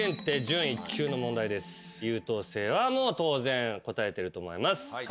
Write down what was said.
優等生は当然答えてると思います。